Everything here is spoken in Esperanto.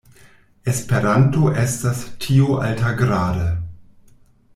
Esperanto estas tio altagrade.